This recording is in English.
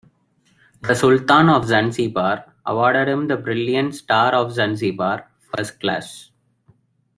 The Sultan of Zanzibar awarded him the Brilliant Star of Zanzibar, First Class.